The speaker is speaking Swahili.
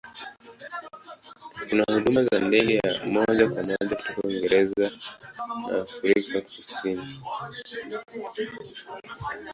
Kuna huduma za ndege ya moja kwa moja kutoka Uingereza na Afrika ya Kusini.